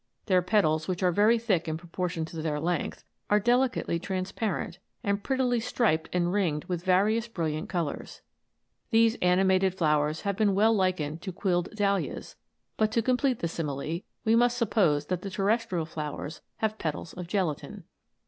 Their petals, which are very thick in proportion to their length, are delicately transparent, and prettily striped and ringed with various brilliant colours. These ani mated flowers have been well likened to quilled dahlias; but to complete the simile, we must sup pose that the terrestrial flowers have petals of gelatine.